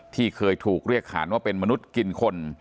ที่เคยถูกเรียกขานว่าเป็นมนุษย์กินคน